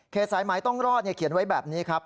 สายหมายต้องรอดเขียนไว้แบบนี้ครับ